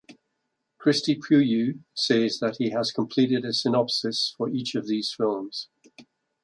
Cristi Puiu says that he has completed a synopsis for each of these films.